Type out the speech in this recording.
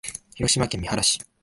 広島県三原市